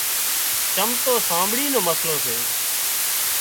چم تو سانٻڙِي نو مسئلو سي